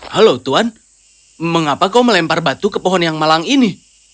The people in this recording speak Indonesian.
halo tuan mengapa kau melempar batu ke pohon yang malang ini